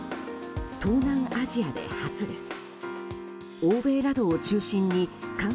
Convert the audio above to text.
東南アジアで初です。